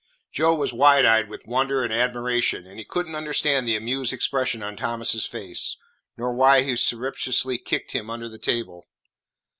Joe was wide eyed with wonder and admiration, and he could n't understand the amused expression on Thomas's face, nor why he surreptitiously kicked him under the table.